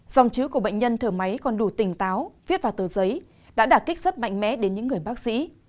dòng chữ của bệnh nhân thở máy còn đủ tỉnh táo viết vào tờ giấy đã đạt kích sức mạnh mẽ đến những người bác sĩ